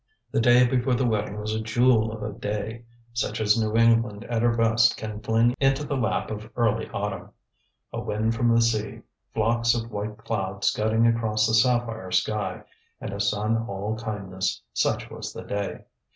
The day before the wedding was a jewel of a day, such as New England at her best can fling into the lap of early autumn. A wind from the sea, flocks of white cloud scudding across the sapphire sky, and a sun all kindness such was the day.